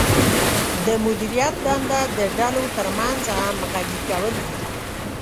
د مدیریت دنده د ډلو ترمنځ همغږي کول دي.